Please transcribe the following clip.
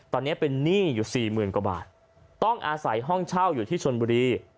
ตอนนี้เป็นหนี้อยู่สี่หมื่นกว่าบาทต้องอาศัยห้องเช่าอยู่ที่ชนบุรี